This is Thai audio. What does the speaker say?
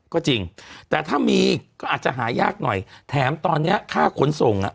ก็จริงแต่ถ้ามีก็อาจจะหายากหน่อยแถมตอนนี้ค่าขนส่งอ่ะ